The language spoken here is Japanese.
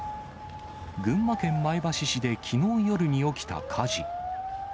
群馬県前橋市できのう夜に起きた火事。